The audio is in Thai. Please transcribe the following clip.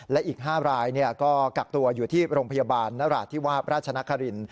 และอีก๕รายก็กักตัวอยู่ที่โรงพยาบาลนราธิวาสราชนคริน